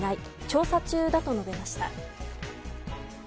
調査中だと述べました。